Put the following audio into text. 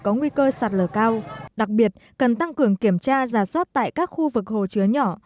có nguy cơ sạt lở cao đặc biệt cần tăng cường kiểm tra giả soát tại các khu vực hồ chứa nhỏ